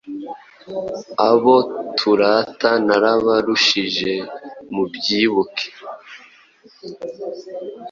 Abo turata narabarushije, mubyibuke